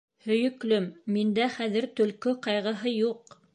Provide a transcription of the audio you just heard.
Һөйөклөм, миндә хәҙер Төлкө ҡайғыһы юҡ!